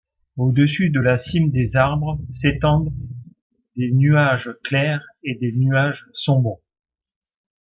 Au-dessus de la cime des arbres, s'étendent des nuages clairs et des nuages sombres.